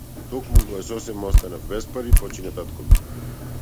Токму кога сосема останав без пари, почина татко ми.